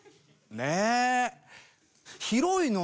ねえ。